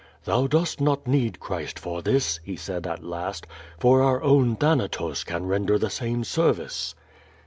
"Thou dost not need Christ for this," he said at last, "for our own Thanatos can render the same service."